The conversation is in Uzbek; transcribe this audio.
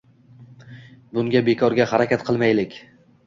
Bunga bekorga harakat qilmaylik.